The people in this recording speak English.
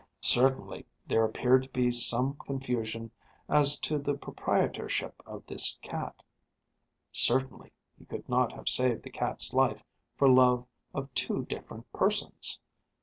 Certainly there appeared to be some confusion as to the proprietorship of this cat. Certainly he could not have saved the cat's life for love of two different persons.